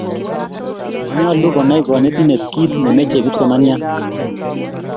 nyoluu kunai konetinte kiit nemeche kipsomanian